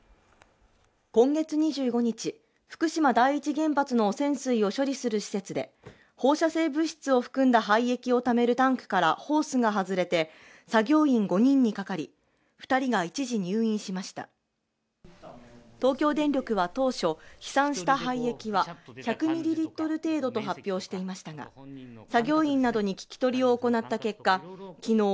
今月２５日福島第一原発の汚染水を処理する施設で放射性物質を含んだ廃液をためるタンクからホースが外れて作業員５人にかかり二人が一時入院しました東京電力は当初飛散した廃液は１００ミリリットル程度と発表していましたが作業員などに聞き取りを行った結果きのう